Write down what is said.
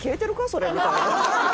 それ」みたいな。